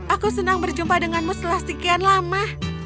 aku senang berjumpa denganmu setelah sekian lama